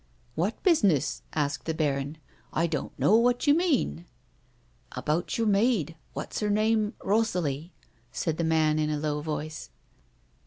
"What business'?" asked the baron. "I don't know what you mean." "About your maid— what's her name — Rosalie," said the man in a low voice.